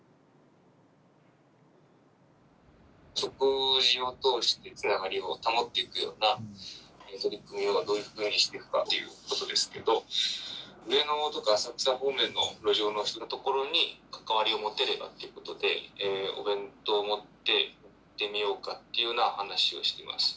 「食事を通してつながりを保っていくような取り組みをどういうふうにしていくかということですけど上野とか浅草方面の路上の人のところに関わりを持てればっていうことでお弁当を持って行ってみようかっていうような話をしてます。